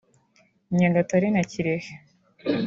Nyagatare na Kirehe